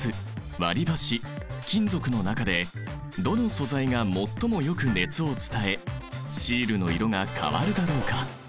割りばし金属の中でどの素材が最もよく熱を伝えシールの色が変わるだろうか？